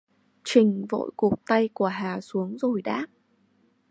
Trình vội cụp tay của Hà xuống rồi đáp